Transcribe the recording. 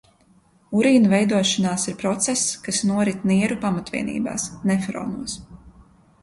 Urīna veidošanās ir process, kas norit nieru pamatvienībās – nefronos.